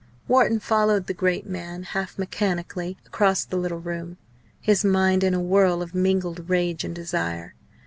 Wharton followed the great man half mechanically across the little room, his mind in a whirl of mingled rage and desire.